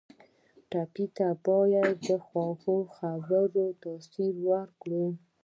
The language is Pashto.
ټپي ته باید د خوږو خبرو تاثیر ورکړو.